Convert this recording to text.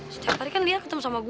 setiap hari kan dia ketemu sama gue